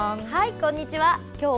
こんにちは。